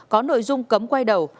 có nội dung cấm quay đầu